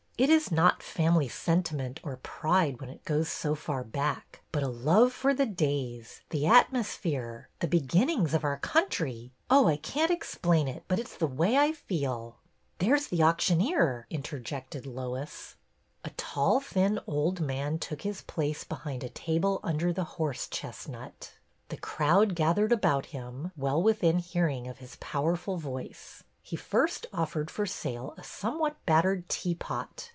It is not family sentiment or pride when it goes so far back, but a love for the days, the atmosphere, the begin nings of our country. Oh, I can't explain it, but it 's the way I feel." There 's the auctioneer! " interjected Lois. THE AUCTION 139 A tall thin old man took his place behind a table under the horse chestnut. The crowd gath ered about him, well within hearing of his power ful voice. He first offered for sale a somewhat battered teapot.